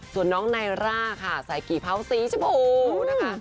ส่วนน้องไนร่าค่ะใส่กี่เผาสีชมพูนะคะ